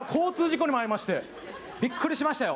僕、この間、交通事故にも遭いまして、びっくりしましたよ。